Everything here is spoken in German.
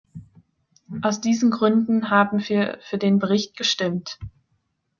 Aus diesen Gründen haben wir für den Bericht gestimmt.